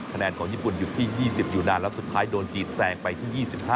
คะแนนของญี่ปุ่นหยุดที่๒๐อยู่นานแล้วสุดท้ายโดนจีนแซงไปที่๒๕